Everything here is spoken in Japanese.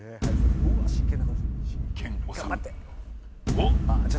おっ！